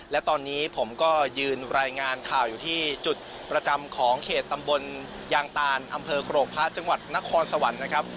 และตอนนี้ผมก็ยืนรายงานข่าวอยู่ที่จุดประจำของเขตตำบลยางตานอำเภอโครกพระจังหวัดนครสวรรค์นะครับ